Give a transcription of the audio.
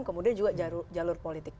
kemudian juga jalur politik